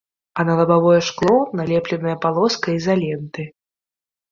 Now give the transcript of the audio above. А на лабавое шкло налепленая палоска ізаленты.